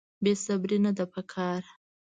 بې صبري نه ده په کار.